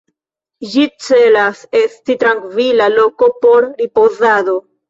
Ĝi celas esti trankvila loko por ripozado.